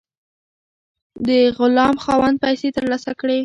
د غلام خاوند پیسې ترلاسه کړې.